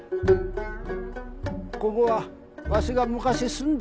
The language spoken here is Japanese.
ここはわしが昔住んでた家だ。